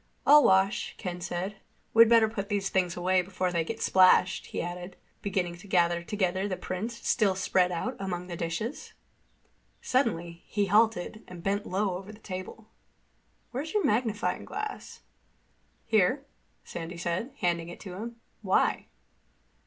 "I'll wash," Ken said. "We'd better put these things away before they get splashed," he added, beginning to gather together the prints still spread out among the dishes. Suddenly he halted and bent low over the table. "Where's your magnifying glass?" "Here," Sandy said, handing it to him. "Why?"